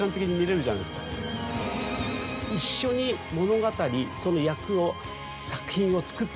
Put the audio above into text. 一緒に物語その役を。